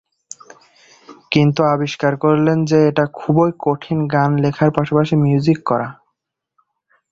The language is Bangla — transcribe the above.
কিন্তু আবিষ্কার করলেন যে এটা খুবই কঠিন গান লেখার পাশাপাশি মিউজিক করা।